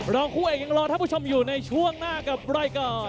คู่เอกยังรอท่านผู้ชมอยู่ในช่วงหน้ากับรายการ